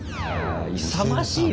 勇ましいね